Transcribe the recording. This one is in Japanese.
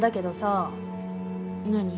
何？